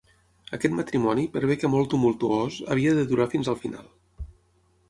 Aquest matrimoni, per bé que molt tumultuós, havia de durar fins al final.